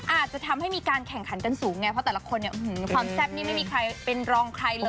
อาจจะทำให้มีการแข่งขันสูงไงเพราะแต่ละคนคอยแค่แซ่บนี่ไม่มีใครเรียนเรา